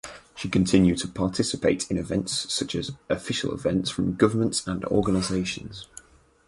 She continued to participate in events such as official events from governments and organizations.